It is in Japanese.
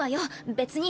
別に。